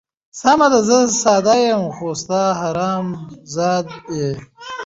سمه ده زه ساده یم، خو ته حرام زاده یې.